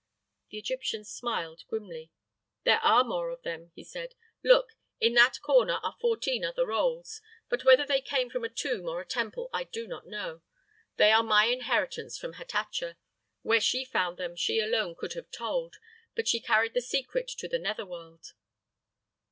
The Egyptian smiled, grimly. "There are more of them," he said. "Look! in that corner are fourteen other rolls; but whether they came from a tomb or a temple I do not know. They are my inheritance from Hatatcha. Where she found them she alone could have told; but she carried the secret to the nether world."